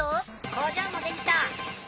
工場もできた！